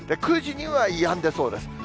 ９時にはやんでそうです。